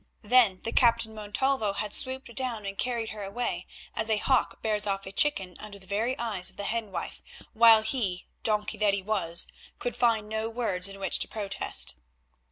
Then the Captain Montalvo had swooped down and carried her away, as a hawk bears off a chicken under the very eyes of the hen wife, while he—donkey that he was—could find no words in which to protest.